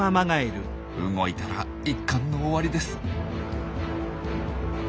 動いたら一巻の終わりです。